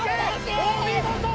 お見事！